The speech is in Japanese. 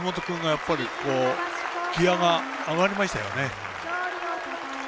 やっぱりギヤが上がりましたよね。